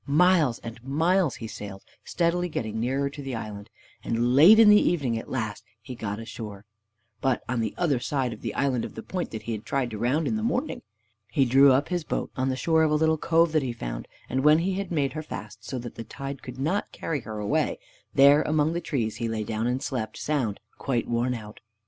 Miles and miles he sailed, steadily getting nearer to the land, and late in the evening at last he got ashore, but on the other side of the point that he had tried to round in the morning. He drew up his boat on the shore of a little cove that he found, and when he had made her fast, so that the tide could not carry her away, there among the trees he lay down, and slept sound, quite worn out.